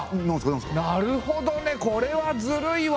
なるほどねこれはずるいわ。